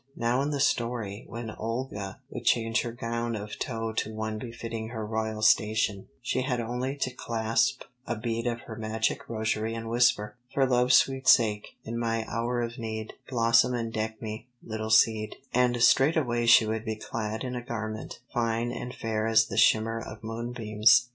Now in the story when Olga would change her gown of tow to one befitting her royal station, she had only to clasp a bead of her magic rosary and whisper: "For love's sweet sake, in my hour of need, Blossom and deck me, little seed," and straightway she would be clad in a garment, fine and fair as the shimmer of moonbeams.